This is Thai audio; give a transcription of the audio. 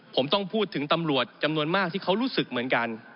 ผมต้องพูดถึงตำรวจจำนวนมากที่เขารู้สึกเหมือนกัน